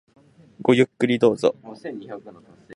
ごゆっくりどうぞ。